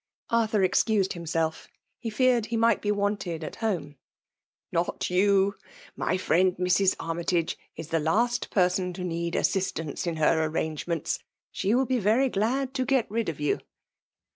*' Arthur excused himself. '' He feared he might be wanted at home. "Not you! — My friend Mrs. Armytage is the last person to need assistance in her ar rangements. She will be very glad to get rid of you."